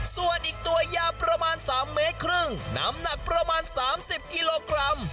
ส่วนอีกตัวยาวประมาณ๓เมตรครึ่งน้ำหนักประมาณ๓๐กิโลกรัม